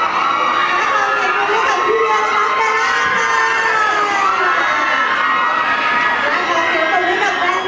ไม่ต้องถามไม่ต้องถาม